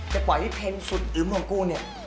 จะปล่อยพี่เพนสุดอึมของกูเนี่ย